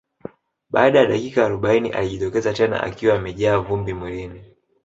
Baada ya dakika arobaini alijitokeza tena akiwa amejaa vumbi mwilini